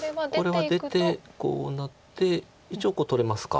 これは出てこうなって一応取れますか。